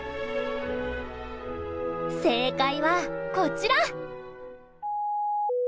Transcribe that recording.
正解はこちら！